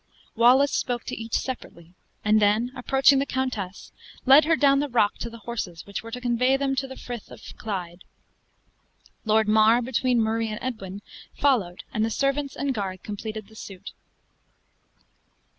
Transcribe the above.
Wallace spoke to each separately, and then approaching the countess, led her down the rock to the horses which were to convey them tot he Frith of Clyde. Lord Mar, between Murray and Edwin, followed; and the servants and guard completed the suit.